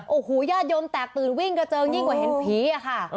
โอ้โหญาติโยมแตกตื่นวิ่งกระเจิงยิ่งกว่าเห็นผีอะค่ะ